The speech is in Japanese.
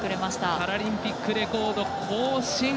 パラリンピックレコード更新。